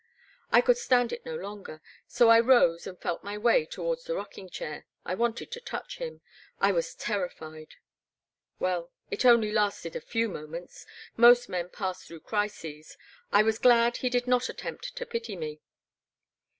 I could stand it no longer, so I rose and felt my way towards the rocking chair, — ^I wanted to touch him — I was terrified. Well, it only lasted a few moments — most men pass through crises — I was glad he did not attempt to pity me.